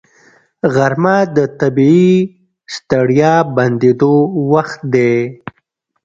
غرمه د طبیعي ستړیا بندېدو وخت دی